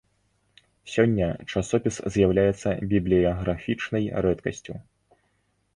Сёння часопіс з'яўляецца бібліяграфічнай рэдкасцю.